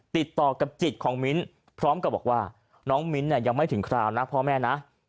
ติดต่อกับจิตของมิ้นพร้อมกับบอกว่าน้องมิ้นท์เนี่ยยังไม่ถึงคราวนะพ่อแม่นะ